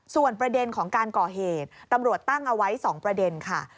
ส่วนประเด็นของการก่อเหตุตำรวจตั้งเอาไว้๒ประเด็นค่ะ